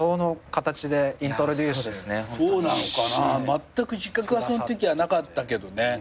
まったく自覚はそのときはなかったけどね。